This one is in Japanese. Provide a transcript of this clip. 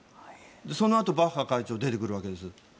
そのあとバッハ会長が出てくるわけです。